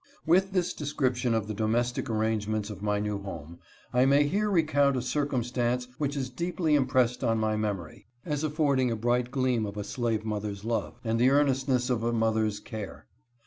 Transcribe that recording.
With this description of the domestic arrangements of my new home, I may here recount a circumstance which is deeply impressed on my memory, as affording a bright gleam of a slave mother's love, and the earnestness of a mother's care.